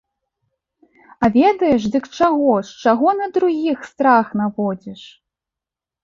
А ведаеш, дык чаго ж, чаго на другіх страх наводзіш?